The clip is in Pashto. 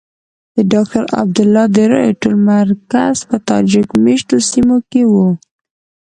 د ډاکټر عبدالله د رایو ټول مرکز په تاجک مېشتو سیمو کې وو.